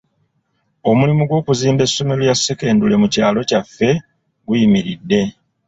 Omulimu gw'okuzimba essomero lya ssekendule mu kyalo kyaffe guyimiridde.